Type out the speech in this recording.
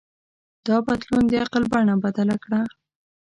دا بدلون د عقل بڼه بدله کړه.